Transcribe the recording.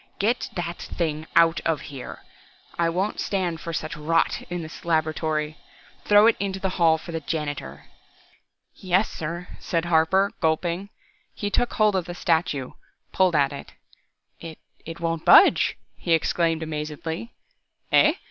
"Get that thing out of here! I won't stand for such rot in this laboratory. Throw it into the hall for the janitor!" "Ye yessir," said Harper, gulping. He took hold of the statue, pulled at it. "It it won't budge," he exclaimed amazedly. "Eh?